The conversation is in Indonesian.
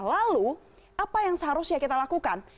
lalu apa yang seharusnya kita lakukan